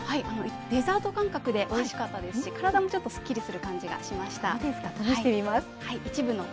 デザート感覚でおいしかったですし、体もちょっとすっきりする感じがしました。